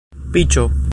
piĉo